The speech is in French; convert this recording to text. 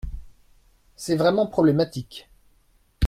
C’est vraiment problématique.